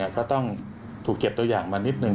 ก็ต้องถูกเก็บตัวอย่างมานิดนึ